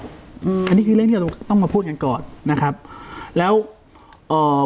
อืมอันนี้คือเรื่องที่เราต้องมาพูดกันก่อนนะครับแล้วเอ่อ